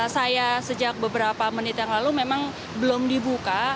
saya sejak beberapa menit yang lalu memang belum dibuka